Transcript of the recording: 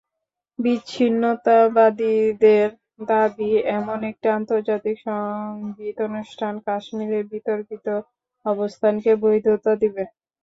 বিচ্ছিন্নতাবাদীদের দাবি, এমন একটি আন্তর্জাতিক সংগীতানুষ্ঠান কাশ্মীরের বিতর্কিত অবস্থানকে বৈধতা দেবে।